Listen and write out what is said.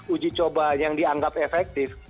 uji coba yang dianggap efektif